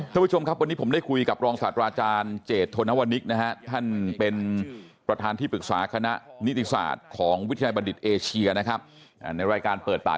ท่านผู้ชมครับวันนี้ผมได้คุยกับรองศาสตราจารย์เจธนวนิกนะฮะ